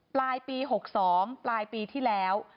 ปลายปี๖๒ปลายปีที่แล้ว